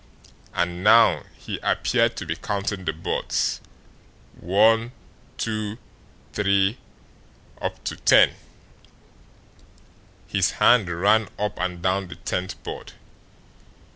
And now he appeared to be counting the boards. One, two, three ten. His hand ran up and down the tenth board.